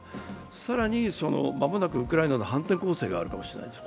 更に、間もなくウクライナの反転攻勢があるかもしれないんです。